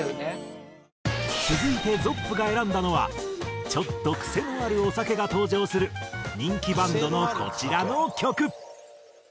続いてｚｏｐｐが選んだのはちょっとクセのあるお酒が登場する人気バンドのこちらの曲。